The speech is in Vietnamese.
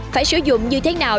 phải sử dụng như thế nào